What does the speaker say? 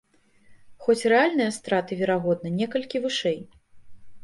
Хоць рэальныя страты, верагодна, некалькі вышэй.